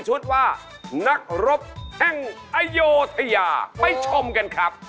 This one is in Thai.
เขาบอกว่าให้ผมอยู่ต่อจะครับ